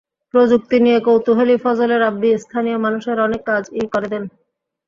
প্রযুক্তি নিয়ে কৌতূহলী ফজলে রাব্বি স্থানীয় মানুষের অনেক কাজই করে দেন।